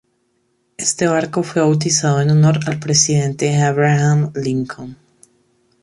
Este barco fue bautizado en honor al presidente Abraham Lincoln.